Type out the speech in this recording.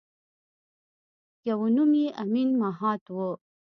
یوه نوم یې امین مهات وه.